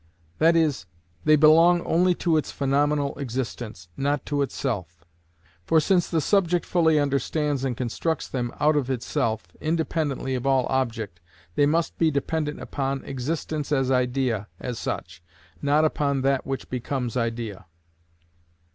That is, they belong only to its phenomenal existence, not to itself. For since the subject fully understands and constructs them out of itself, independently of all object, they must be dependent upon existence as idea as such, not upon that which becomes idea.